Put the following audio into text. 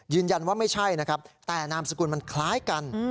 ยืนยันว่าไม่ใช่นะครับแต่นามสกุลมันคล้ายกัน